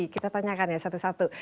kita tanyakan ya satu satu